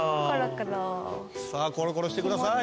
さあコロコロしてください。